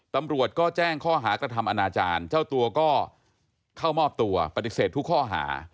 ตำรวจก็แจ้งข้อหากระทำอนาจารย์เจ้าตัวก็เข้ามอบตัวปฏิเสธทุกข้อหา